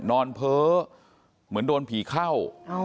เพ้อเหมือนโดนผีเข้า